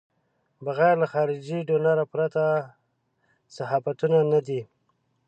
بغیر له خارجي ډونر پرته صحافتونه نه دي.